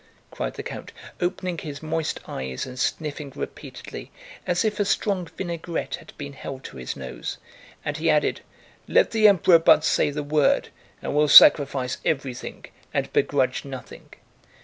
cried the count, opening his moist eyes and sniffing repeatedly, as if a strong vinaigrette had been held to his nose; and he added, "Let the Emperor but say the word and we'll sacrifice everything and begrudge nothing."